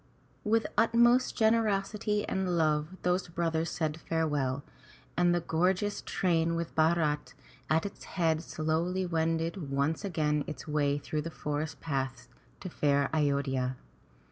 *' With utmost generosity and love those brothers said farewell, and the gorgeous train with Bharat at its head, slowly wended once again its way through the forest paths to fair A yod'hya.